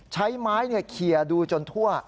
ใช้ไม้เคลียร์ดูจนทั่ว